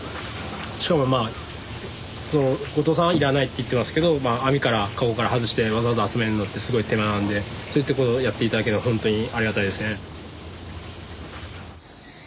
しかもまあ後藤さんはいらないって言ってますけど網からかごから外してわざわざ集めるのってすごい手間なんでそういったことをやって頂けるのはほんとにありがたいですね。